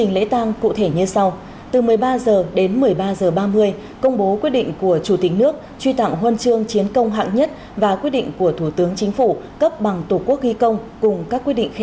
lễ viếng diễn ra từ một mươi ba h ba mươi đến một mươi sáu h ba mươi lễ truy điệu từ một mươi sáu h ba mươi đến một mươi bảy h